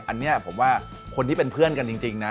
อันนี้ผมว่าคนที่เป็นเพื่อนกันจริงนะ